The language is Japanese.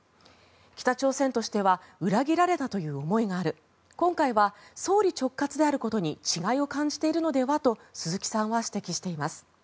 北朝鮮としては裏切られたという思いがある今回は総理直轄であることに違いを感じているのではと鈴木さんは指摘しています。